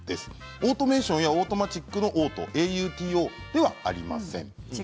オートメーションやオートマチックの「オート」「ＡＵＴＯ」ではありません。